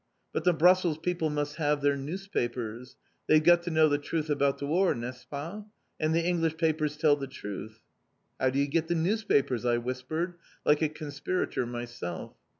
But the Brussels people must have their newspapers. They've got to know the truth about the war, n'est ce pas? and the English papers tell the truth!" "How do you get the newspapers," I whispered, like a conspirator myself.